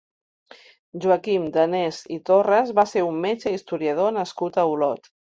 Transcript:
Joaquim Danés i Torras va ser un metge i historiador nascut a Olot.